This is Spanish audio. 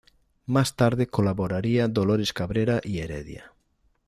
Más tarde colaboraría Dolores Cabrera y Heredia.